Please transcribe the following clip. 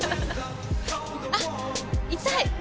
あっ痛い。